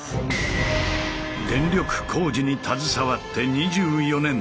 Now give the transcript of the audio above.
電力工事に携わって２４年。